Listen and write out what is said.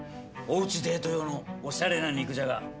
おうちデート用のおしゃれな肉じゃが。